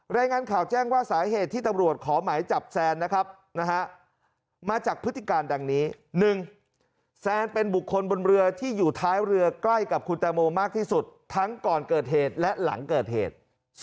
รายงานข่าวแจ้งว่าสาเหตุที่ตำรวจขอหมายจับแซนนะครับมาจากพฤติการดังนี้๑แซนเป็นบุคคลบนเรือที่อยู่ท้ายเรือใกล้กับคุณแตงโมมากที่สุดทั้งก่อนเกิดเหตุและหลังเกิดเหตุ